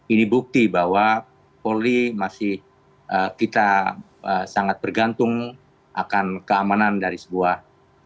ini bukti bahwa polri masih kita sangat bergantung akan keamanan dari sebuah